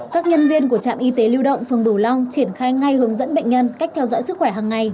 các nhân viên của trạm y tế lưu động phường bửu long triển khai ngay hướng dẫn bệnh nhân cách theo dõi sức khỏe hàng ngày